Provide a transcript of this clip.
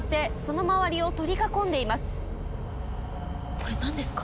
これ何ですか？